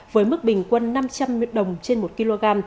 với mức bình quân năm trăm linh đồng trên một kg